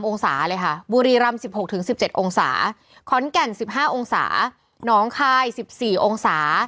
องศาเลยค่ะบุรีรำ๑๖๑๗องศาขอนแก่น๑๕องศาน้องคาย๑๔องศา